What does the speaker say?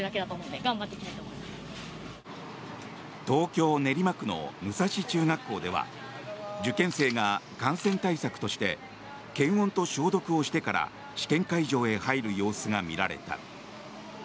東京・練馬区の武蔵中学校では受験生が感染対策として検温と消毒をしてから試験会場へ入る様子が見られた。